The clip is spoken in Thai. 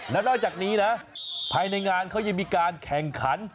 แล้วนอกจากนี้นะภายในงานเขายังมีการแข่งขัน